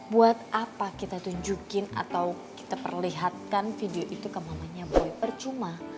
buat apa kita tunjukin atau kita perlihatkan video itu ke mamanya boy percuma